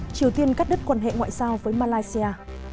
triều tiên cắt đứt quan hệ ngoại giao với malaysia